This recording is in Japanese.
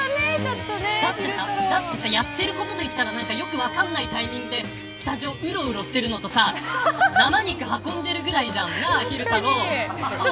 やっていることといったらよく分かんないタイミングでスタジオをうろうろとしてるのとさ生肉、運んでるぐらいじゃん昼太郎。